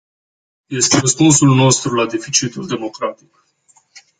Este răspunsul nostru la deficitul democratic.